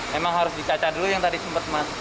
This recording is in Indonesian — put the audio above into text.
memang harus dicacah dulu yang tadi sempat mas